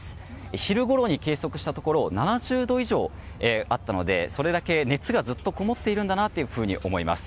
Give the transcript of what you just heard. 昼ごろに計測したところ７０度以上あったのでそれだけ熱がずっとこもっているんだなと思います。